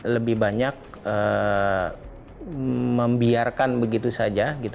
lebih banyak membiarkan begitu saja